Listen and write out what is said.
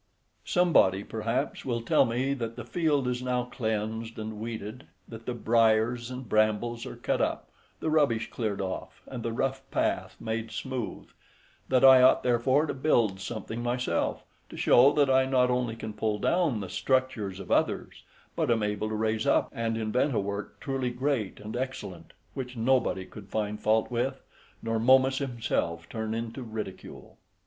Somebody, perhaps, will tell me that the field is now cleansed and weeded, that the briars and brambles are cut up, the rubbish cleared off, and the rough path made smooth; that I ought therefore to build something myself, to show that I not only can pull down the structures of others, but am able to raise up and invent a work truly great and excellent, which nobody could find fault with, nor Momus himself turn into ridicule.